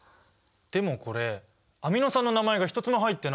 でもこれアミノ酸の名前が一つも入ってない！